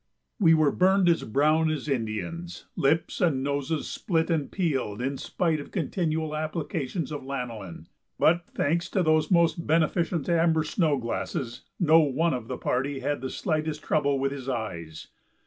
We were burned as brown as Indians; lips and noses split and peeled in spite of continual applications of lanoline, but, thanks to those most beneficent amber snow glasses, no one of the party had the slightest trouble with his eyes.